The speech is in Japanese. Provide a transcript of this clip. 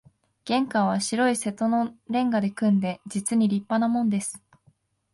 玄関は白い瀬戸の煉瓦で組んで、実に立派なもんです